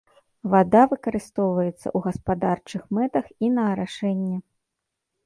Вада выкарыстоўваецца ў гаспадарчых мэтах і на арашэнне.